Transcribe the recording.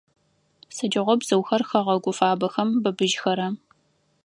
Сыдигъо бзыухэр хэгъэгу фабэхэм быбыжьхэра?